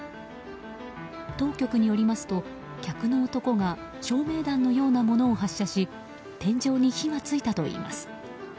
当局によりますと、客の男が照明弾のようなものを発射し天井に火が付いたといいます。